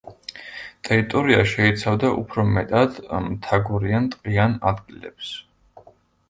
ტერიტორია შეიცავდა უფრო მეტად მთაგორიან ტყიან ადგილებს.